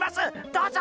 どうぞ。